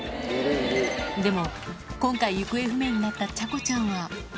でも、今回行方不明になったちゃこちゃんは。